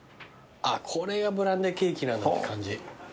あぁこれがブランデーケーキなんだって感じ。